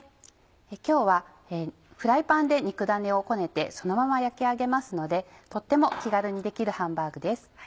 今日はフライパンで肉だねをこねてそのまま焼き上げますのでとっても気軽にできるハンバーグです。